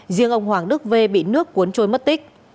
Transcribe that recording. riêng ông hoàng đức v bị nước cuốn trôi mất tích